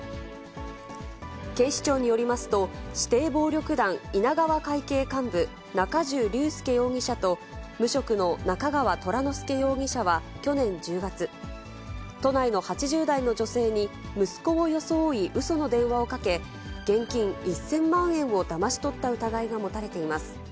警視庁によりますと、指定暴力団稲川会系幹部、中重玲介容疑者と、無職の中川虎乃輔容疑者は去年１０月、都内の８０代の女性に息子を装い、うその電話をかけ、現金１０００万円をだまし取った疑いが持たれています。